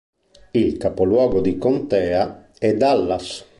Il capoluogo di contea è Dallas.